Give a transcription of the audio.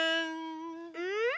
うん？